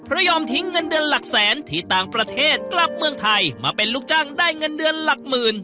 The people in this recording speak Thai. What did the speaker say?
เพราะยอมทิ้งเงินเดือนหลักแสนที่ต่างประเทศกลับเมืองไทยมาเป็นลูกจ้างได้เงินเดือนหลักหมื่น